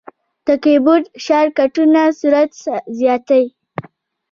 د کیبورډ شارټ کټونه سرعت زیاتوي.